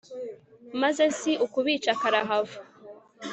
maze si ukubica karahava